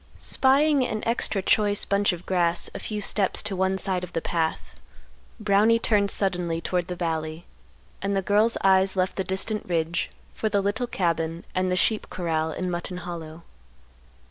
Spying an extra choice bunch of grass a few steps to one side of the path, Brownie turned suddenly toward the valley; and the girl's eyes left the distant ridge for the little cabin and the sheep corral in Mutton Hollow.